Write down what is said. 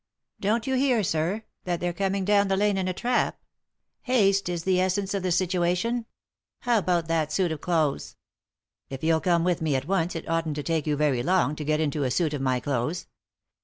Don't you hear, sir, that they're coming down the lane in a trap ?— haste is the essence of the situation — how about that suit of clothes ?" "If you'U come with me at once it oughtn't to take you very long to get into a suit of my clothes."